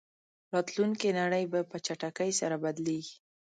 راتلونکې نړۍ به په چټکۍ سره بدلېږي.